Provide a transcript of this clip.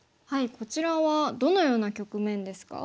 こちらはどのような局面ですか？